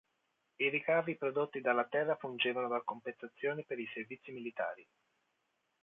I ricavi prodotti dalla terra fungevano da compensazione per i servizi militari.